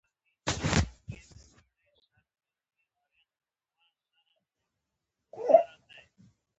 ایا پوهیږئ چې خندا غوره درمل ده؟